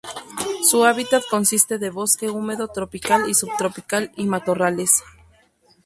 Su hábitat consiste de bosque húmedo tropical y subtropical, y matorrales.